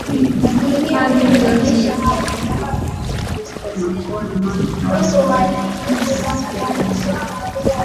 hadi ngazi ya chuo kikuu Ukristo umekuwa imani ya wasomi Asili ya jambo